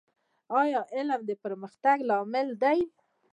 ایا علم د پرمختګ لامل دی؟